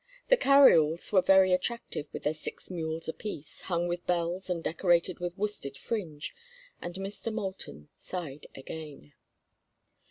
The carry alls were very attractive with their six mules apiece, hung with bells and decorated with worsted fringe, and Mr. Moulton sighed again.